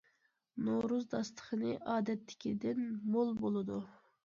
نورۇز داستىخىنى ئادەتتىكىدىن مول بولىدۇ.